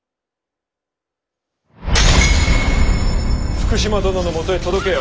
福島殿のもとへ届けよ。